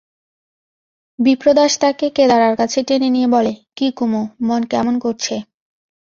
বিপ্রদাস তাকে কেদারার কাছে টেনে নিয়ে বলে, কী কুমু, মন কেমন করছে?